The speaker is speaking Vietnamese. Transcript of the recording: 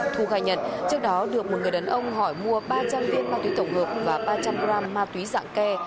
thu khai nhận trước đó được một người đàn ông hỏi mua ba trăm linh viên ma túy tổng hợp và ba trăm linh g ma túy dạng ke